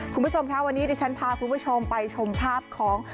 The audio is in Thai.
คุณผู้ชมค่ะวันนี้ดิฉันพาคุณผู้ชมไปชมภาพของ